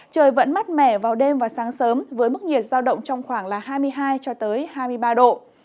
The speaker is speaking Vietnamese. trời vẫn mát mẻ vào đêm và sáng sớm với mức nhiệt giao động trong khoảng hai mươi hai cho tới hai mươi ba độ